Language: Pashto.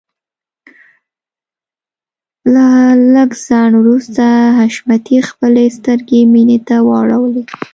له لږ ځنډ وروسته حشمتي خپلې سترګې مينې ته واړولې.